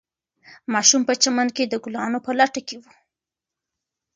ماشوم په چمن کې د ګلانو په لټه کې و.